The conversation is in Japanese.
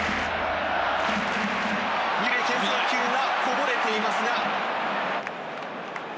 二塁牽制球がこぼれていますが。